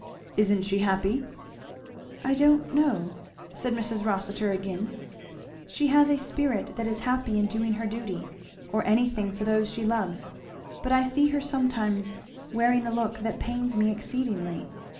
"Isn't she happy?" "I don't know," said Mrs. Rossitur again; "she has a spirit that is happy in doing her duty, or anything for those she loves; but I see her sometimes wearing a look that pains me exceedingly.